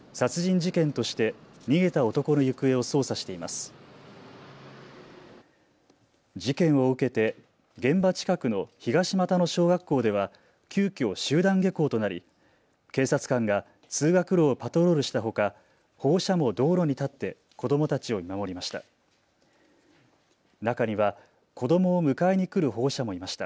事件を受けて現場近くの東俣野小学校では急きょ集団下校となり警察官が通学路をパトロールしたほか保護者も道路に立って子どもたちを見守りました。